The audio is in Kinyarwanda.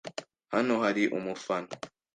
Hano hari umufana .